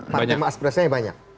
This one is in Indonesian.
partai mengaspirasikannya banyak